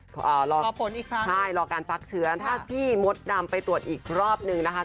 รอผลอีกครั้งใช่รอการฟักเชื้อถ้าพี่มดดำไปตรวจอีกรอบนึงนะคะ